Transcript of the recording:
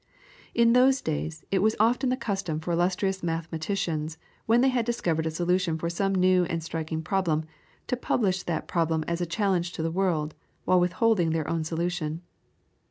In those days it was often the custom for illustrious mathematicians, when they had discovered a solution for some new and striking problem, to publish that problem as a challenge to the world, while withholding their own solution.